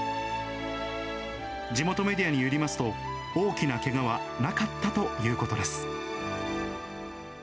地元メディアによりますと、大きなけがはなかったということです。